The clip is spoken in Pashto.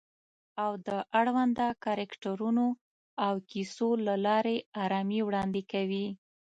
او د اړونده کرکټرونو او کیسو له لارې آرامي وړاندې کوي